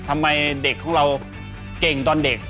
ทำไมเด็กของเราเก่งตอนเด็ก